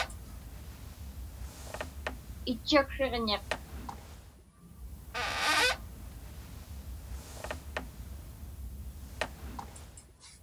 Itchaksriġñiq